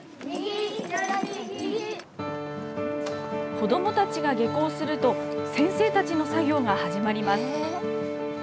子どもたちが下校すると、先生たちの作業が始まります。